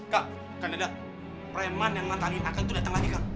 kang kan ada preman yang menantangin akang itu datang lagi kang